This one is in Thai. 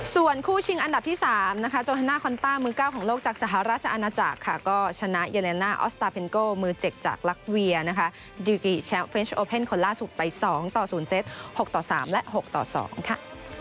ส่วนคู่ชิงอันดับที่สามนะคะโจฮันน่าคอนต้ามือเก้าของโลกจากสหรัฐราชอาณาจักรค่ะก็ชนะเยเลน่าออสตาเพ็นโก้มือเจ็กจากลักเวียนะคะดีกว่าแชมป์เฟรนช์โอเป็นคนล่าสุดไปสองต่อศูนย์เซ็ตหกต่อสามและหกต่อสองค่ะ